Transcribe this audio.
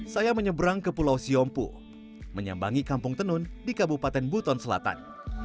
saya menyeberang ke pulau siompu menyambangi kampung tenun di kabupaten buton selatan